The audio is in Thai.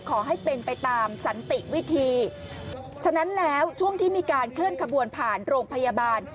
ขอให้เป็นไปตามสันติวิธีฉะนั้นแล้วช่วงที่มีการเคลื่อนขบวนผ่านโรงพยาบาล